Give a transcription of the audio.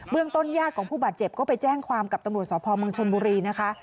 ต้นญาติของผู้บาดเจ็บก็ไปแจ้งความกับตำรวจสพเมืองชนบุรีนะคะ